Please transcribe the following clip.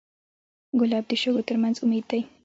ګلاب د شګو تر منځ امید دی.